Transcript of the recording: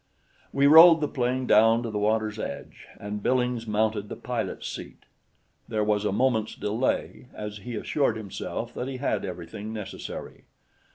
We rolled the plane down to the water's edge, and Billings mounted the pilot's seat. There was a moment's delay as he assured himself that he had everything necessary.